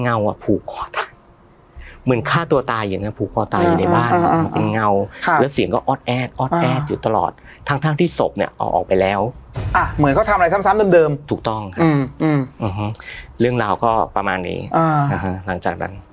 อ่ะเหมือนเขาทำอะไรซ้ำซ้ำเดิมเดิมถูกต้องครับอืมอืมเรื่องราวก็ประมาณนี้อ่าหลังจากนั้น